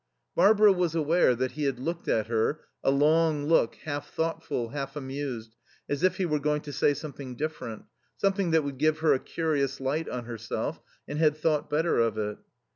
Barbara was aware that he had looked at her, a long look, half thoughtful, half amused, as if he were going to say something different, something that would give her a curious light on herself, and had thought better of it.